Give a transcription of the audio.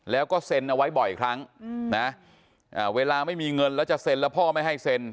แล้วก็เซ็นเอาไว้บ่อยครั้งนะเวลาไม่มีเงินแล้วจะเซ็นแล้วพ่อไม่ให้เซ็น